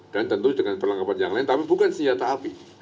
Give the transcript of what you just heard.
dan tentu dengan perlengkapan yang lain tapi bukan senjata api